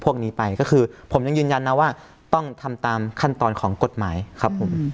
พวกนี้ไปก็คือผมยังยืนยันนะว่าต้องทำตามขั้นตอนของกฎหมายครับผม